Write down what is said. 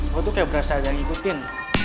gue tuh kayak berasa ada yang ngikutin